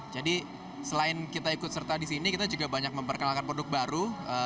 jadi selain kita ikut serta di sini kita juga banyak memperkenalkan produk baru